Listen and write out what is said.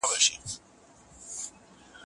زه اوس د کتابتون لپاره کار کوم،